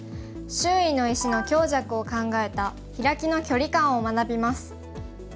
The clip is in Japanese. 周囲の石の強弱を考えたヒラキの距離感を学びます。